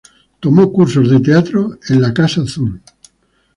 Tomó cursos de teatro en Casa Azul.